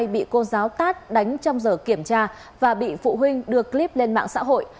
bị cô giáo tát đánh trong giờ kiểm tra và bị phụ huynh đưa clip lên mạng xã hội